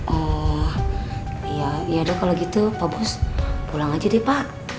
oh ya udah kalau gitu pak bos pulang aja deh pak